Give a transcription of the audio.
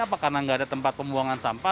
apa karena nggak ada tempat pembuangan sampah